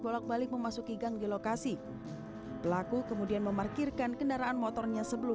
bolak balik memasuki gang di lokasi pelaku kemudian memarkirkan kendaraan motornya sebelum